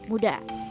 pengguna hover shoes